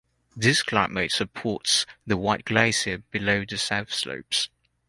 This climate supports the White Glacier below the south slopes.